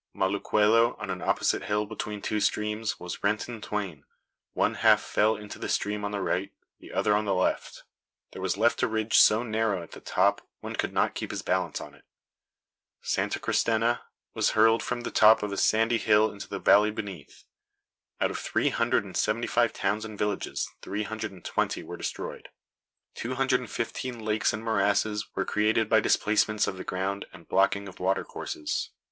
Moluquello, on an opposite hill between two streams, was rent in twain one half fell into the stream on the right, the other on the left. There was left a ridge so narrow at the top one could not keep his balance on it. Santa Cristena was hurled from the top of a sandy hill into the valley beneath. Out of three hundred and seventy five towns and villages, three hundred and twenty were destroyed. Two hundred and fifteen lakes and morasses were created by displacements of the ground and blocking of water courses.